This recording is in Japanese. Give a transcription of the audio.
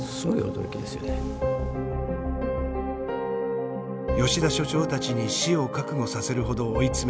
吉田所長たちに死を覚悟させるほど追い詰めた２号機。